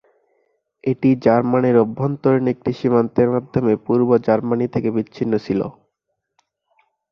এটি জার্মানির অভ্যন্তরীণ একটি সীমান্তের মাধ্যমে পূর্ব জার্মানি থেকে বিচ্ছিন্ন ছিল।